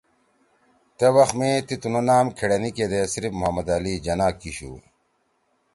تے وخ می تی تُنُو نام کھیڑینی کیدے صرف محمد علی جناح کی شُو